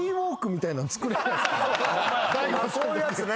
こういうやつね。